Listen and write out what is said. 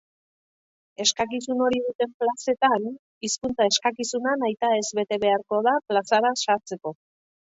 Eskakizun hori duten plazetan, hizkuntza-eskakizuna nahitaez bete beharko da plazara sartzeko.